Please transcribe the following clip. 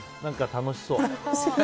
楽しそう。